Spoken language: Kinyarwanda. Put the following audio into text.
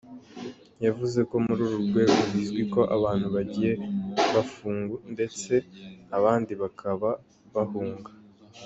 Yavuze ko muri uru rwego bizwi ko abantu bagiye bafungu ndetse abandi bakaba bahunga.